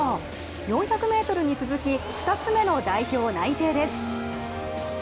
４００ｍに続き２つ目の代表内定です。